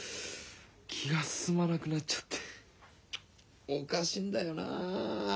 気がすすまなくなっちゃっておかしいんだよな。